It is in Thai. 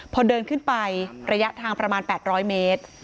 พอเดินขึ้นไประยะทางประมาณ๘๐๐เมตร